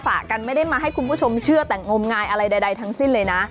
บางนะจะเป็นเรื่องกัน